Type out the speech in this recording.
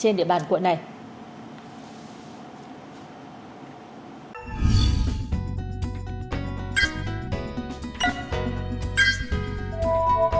hãy đăng ký kênh để ủng hộ kênh của mình nhé